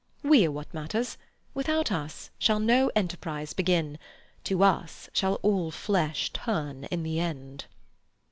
We are what matters. Without us shall no enterprise begin. To us shall all flesh turn in the end."